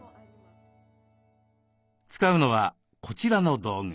使うのはこちらの道具。